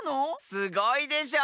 すごいでしょう？